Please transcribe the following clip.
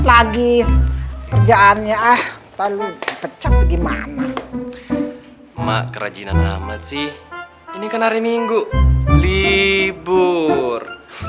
lagi kerjaannya ah tolong pecah gimana emak kerajinan amat sih ini kan hari minggu libur